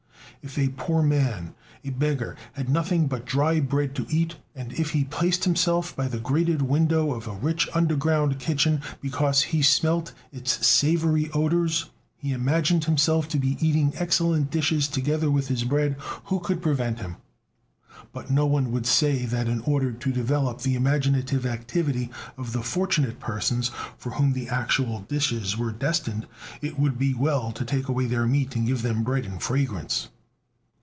If a poor man, a beggar, had nothing but dry bread to eat, and if he placed himself by the grated window of a rich underground kitchen because when he smelt its savory odors he imagined himself to be eating excellent dishes together with his bread, who could prevent him? But no one would say that in order to develop the imaginative activity of the fortunate persons for whom the actual dishes were destined, it would be well to take away their meat and give them bread and fragrance.